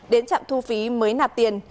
đến trạm thu phí mới nạp tiền